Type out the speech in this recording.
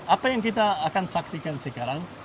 apa yang kita akan saksikan sekarang